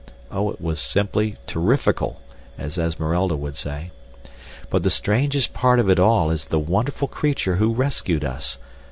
Oh, it was simply "terrifical," as Esmeralda would say. But the strangest part of it all is the wonderful creature who rescued us.